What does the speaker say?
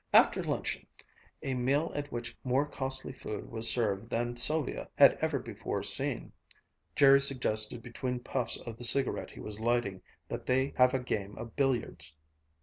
After luncheon, a meal at which more costly food was served than Sylvia had ever before seen, Jerry suggested between puffs of the cigarette he was lighting that they have a game of billiards.